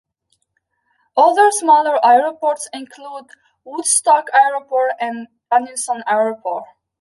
Other smaller airports include Woodstock Airport and Danielson Airport.